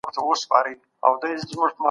زه په پښتو ژبي کي خبري کوم.